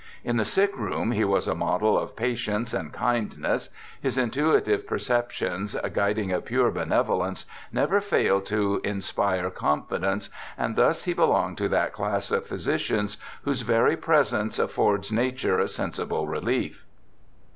In the sick room he was a model of patience and kindness ; his intuitive per ceptions, guiding a pure benevolence, never failed to inspire confidence, and thus he belonged to that class of physicians whose very presence affords Nature a sensible relief.'